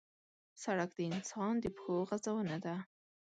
سړک د انسان د پښو غزونه ده.